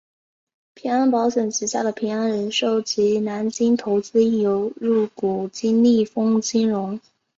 平安保险旗下的平安人寿及西京投资亦有入股金利丰金融。